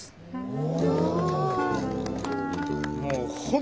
お。